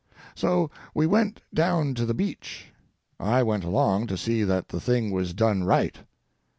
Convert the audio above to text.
So we went down to the beach. I went along to see that the thing was done right.